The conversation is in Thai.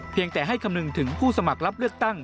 แต่ให้คำนึงถึงผู้สมัครรับเลือกตั้ง